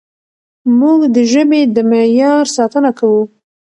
موږ د ژبې د معیار ساتنه کوو.